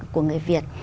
của người việt